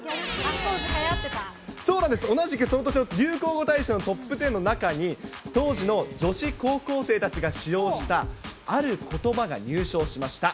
そうなんです、同じくその年の流行語大賞トップテンの中に、当時の女子高校生たちが使用した、あることばが入賞しました。